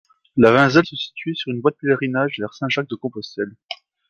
La Vinzelle se situait sur une voie de pèlerinage vers Saint-Jacques-de-Compostelle.